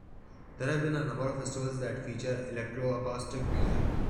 There have been a number of festivals that feature electroacoustic music.